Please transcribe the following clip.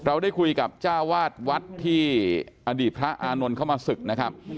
เราได้คุยกับเจ้าวาดวัดที่อดีตพระอานนท์เข้ามาศึกนะครับ